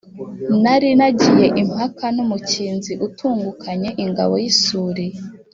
Nari nagiye impaka n’umukinzi utungukanye ingabo y’isuli